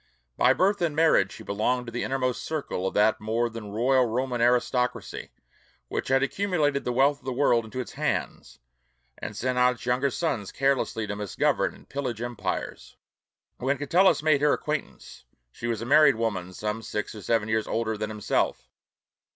By birth and marriage she belonged to the innermost circle of that more than royal Roman aristocracy which had accumulated the wealth of the world into its hands, and sent out its younger sons carelessly to misgovern and pillage empires. When Catullus made her acquaintance, she was a married woman some six or seven years older than himself.